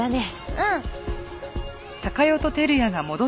うん！